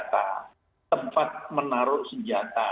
tempat menaruh senjata